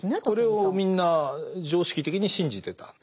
これをみんな常識的に信じてた。